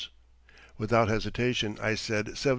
Without hesitation I said $72,500.